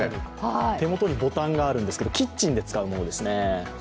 手元にボタンがあるんですけど、キッチンで使うものです。